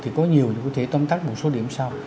thì có nhiều có thể tóm tắt một số điểm sau